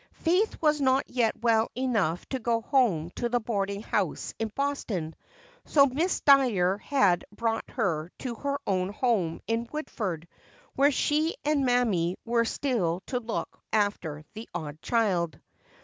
Faith was not yet well enough to go home to the boarding house in Boston, so Miss Dyer had brought her to her own home in Woodford, where she and Mammy were still to look after the odd child.